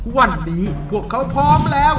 วันนี้พวกเขาพร้อมแล้ว